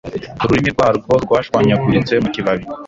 ururimi rwarwo rwashwanyaguritse mu kibabi